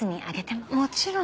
もちろん。